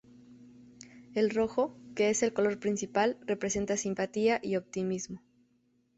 El rojo, que es el color principal, representa simpatía y optimismo.